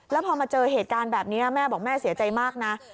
แล้วพอมาเจอเหตุการณ์แบบนี้แม่บอกแม่เสียใจมากนะ